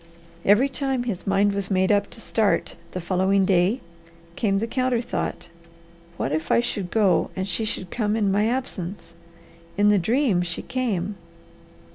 Every time his mind was made up to start the following day came the counter thought, what if I should go and she should come in my absence? In the dream she came.